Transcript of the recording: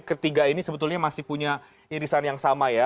ketiga ini sebetulnya masih punya irisan yang sama ya